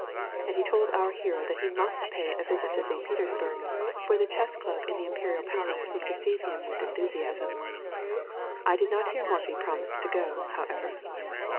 And he told our hero that he must pay a visit to St. Petersburg; for the chess club in the Imperial Palace would receive him with enthusiasm. I did not hear Morphy promise to go, however.